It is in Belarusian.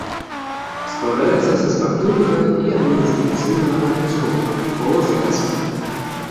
Складаецца са спартыўнага і адміністрацыйнага карпусоў, хола-звязкі.